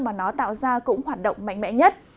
mà nó tạo ra cũng hoạt động mạnh mẽ nhất